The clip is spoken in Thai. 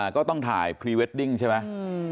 ก็ต้องถ่ายพรีเวดดิ้งใช่ไหม